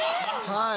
はい。